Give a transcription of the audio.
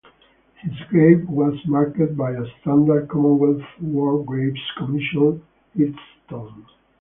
His grave was marked by a standard Commonwealth War Graves Commission headstone.